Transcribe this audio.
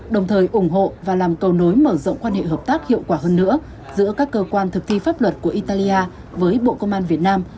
đồng thời ủng hộ và làm cầu nối mở rộng quan hệ hợp tác hiệu quả hơn nữa giữa các cơ quan thực thi pháp luật của italia với bộ công an việt nam